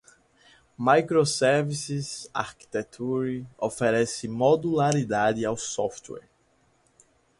Microservices Architecture oferece modularidade ao software.